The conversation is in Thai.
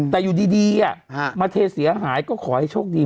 แต่อยู่ดีมาเทเสียหายก็ขอให้โชคดี